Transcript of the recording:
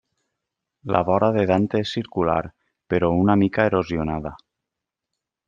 La vora de Dante és circular, però una mica erosionada.